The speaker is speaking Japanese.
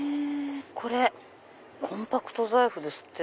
これコンパクト財布ですって。